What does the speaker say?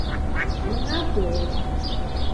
这造成需要以不规则的间隔插入闰秒来修正。